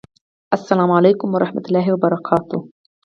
اسلام اعلیکم ورحمت الله وبرکاته